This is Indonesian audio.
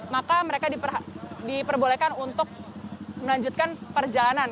maka mereka diperbolehkan untuk melanjutkan perjalanan